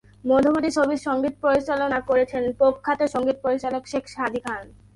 মধুমতি ছবির সংগীত পরিচালনা করেছেন প্রখ্যাত সংগীত পরিচালক শেখ সাদী খান।